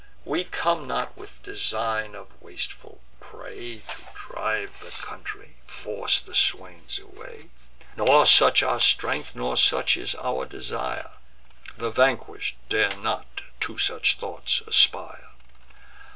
We come not with design of wasteful prey, To drive the country, force the swains away: Nor such our strength, nor such is our desire; The vanquish'd dare not to such thoughts aspire.